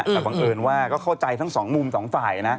แต่บังเอิญว่าก็เข้าใจทั้งสองมุมสองฝ่ายนะ